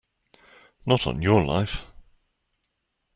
Not on your life!